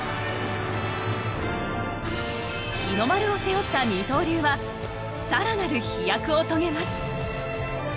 日の丸を背負った二刀流は更なる飛躍を遂げます。